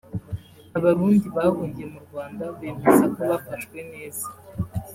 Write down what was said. Abarundi bahungiye mu Rwanda bemeza ko bafashwe neza